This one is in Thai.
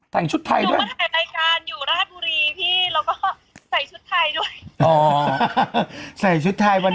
แต่งชุดไทยด้วยหนูมาถ่ายรายการอยู่ราชบุรีพี่แล้วก็ใส่ชุดไทยด้วย